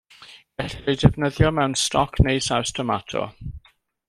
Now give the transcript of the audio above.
Gellir eu defnyddio mewn stoc neu saws tomato.